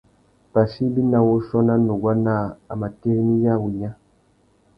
Pachí ibi nà wuchiô nà nuguá naā, a mà tirimiya wunya.